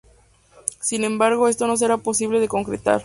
Sin embargo, esto no será posible de concretar.